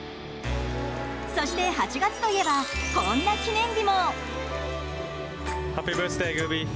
そして、８月といえばこんな記念日も。